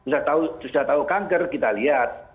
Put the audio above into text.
sudah tahu kanker kita lihat